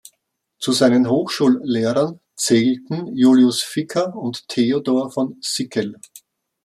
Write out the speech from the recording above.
Zu seinen Hochschullehrern zählten Julius Ficker und Theodor von Sickel.